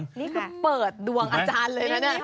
นี่คือเปิดดวงอาจารย์เลยนะเนี่ย